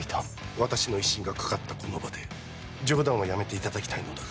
私の威信がかかったこの場所で冗談はやめていただきたいのだが。